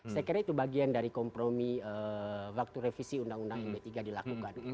saya kira itu bagian dari kompromi waktu revisi undang undang md tiga dilakukan